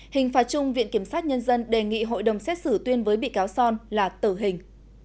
hình phạt chung viện kiểm sát nhân dân đề nghị hội đồng xét xử tuyên với bị cáo son là tử hình